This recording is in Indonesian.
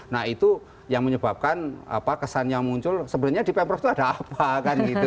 nah itu yang menyebabkan kesan yang muncul sebenarnya di pemprov itu ada apa kan gitu